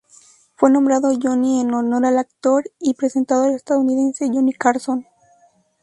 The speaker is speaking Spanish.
Fue nombrado Johnny en honor al actor y presentador estadounidense Johnny Carson.